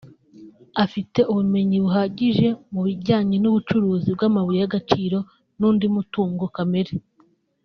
Afite Ubumenyi buhagije mu bijyanye n’ubucukuzi bw’amabuye y’agaciro n’undi mutungo kamere